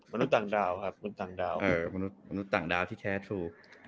มนุษย์ต่างดาวครับมนุษย์ต่างดาวที่แชร์ถูก